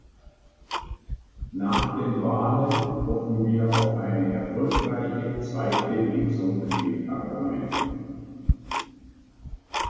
Nach den Wahlen hoffen wir auf eine erfolgreiche zweite Lesung im Parlament.